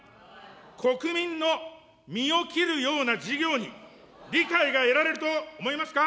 国民の身を切るような事業に理解が得られると思いますか。